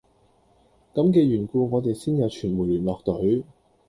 咁嘅緣故我哋先有傳媒聯絡隊